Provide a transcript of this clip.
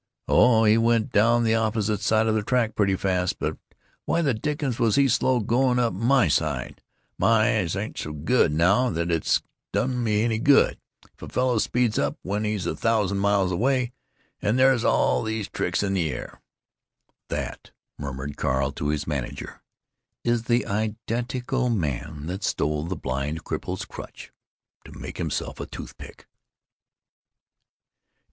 "Oh, he went down the opposite side of the track pretty fast, but why the dickens was he so slow going up my side? My eyes ain't so good now that it does me any good if a fellow speeds up when he's a thousand miles away. And where's all these tricks in the air——" "That," murmured Carl to his manager, "is the i den ti cal man that stole the blind cripple's crutch to make himself a toothpick."